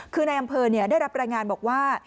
คือในอำเภอได้รับรายงานบอกว่า